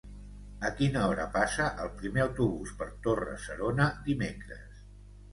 A quina hora passa el primer autobús per Torre-serona dimecres?